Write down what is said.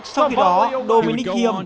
sau khi đó dominic hiem